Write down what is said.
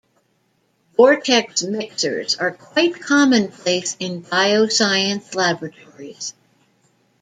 Vortex mixers are quite commonplace in bioscience laboratories.